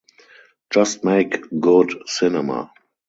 Just make good cinema.